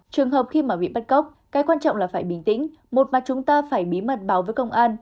trường hợp khi mà bị bắt cóc cái quan trọng là phải bình tĩnh một mà chúng ta phải bí mật báo với công an